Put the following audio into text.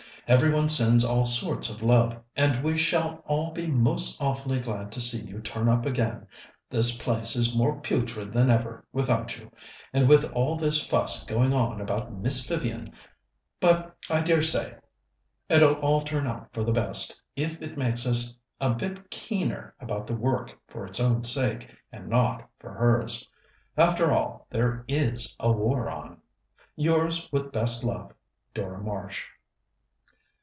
"Every one sends all sorts of love, and we shall all be most awfully glad to see you turn up again. This place is more putrid than ever without you, and with all this fuss going on about Miss Vivian; but I dare say it'll all turn out for the best if it makes us a bit keener about the work for its own sake, and not for hers. After all, there is a war on!" "Yours with best love, "DORA MARSH."